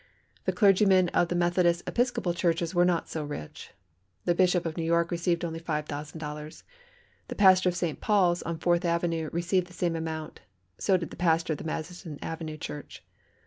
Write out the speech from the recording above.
The clergymen of the Methodist Episcopal churches were not so rich. The Bishop of New York received only $5,000. The pastor of St. Paul's, on Fourth Avenue, received the same amount, so did the pastor of the Madison Avenue Church.